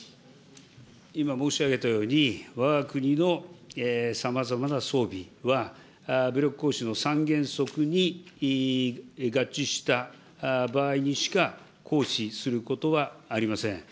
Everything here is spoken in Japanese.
今申し上げたように、わが国のさまざまな装備は、武力行使の３原則に合致した場合にしか行使することはありません。